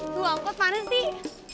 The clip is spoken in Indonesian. tuh ampun mana sih